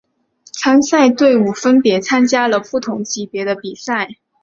参赛队伍分别参加了不同级别的比赛。